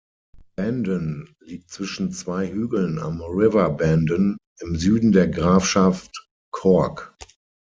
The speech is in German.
Bandon liegt zwischen zwei Hügeln am River Bandon im Süden der Grafschaft Cork.